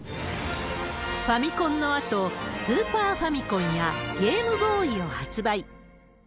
ファミコンのあと、スーパーファミコンやゲームボーイを発売。